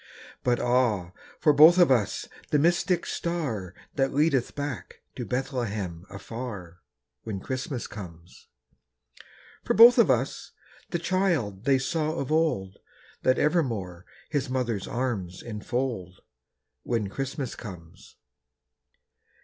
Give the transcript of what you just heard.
But ah, for both of us the mystic star That leadeth back to Bethlehem afar, When Christmas comes. For both of us the child they saw of old, That evermore his mother's arms enfold, When Christmas comes.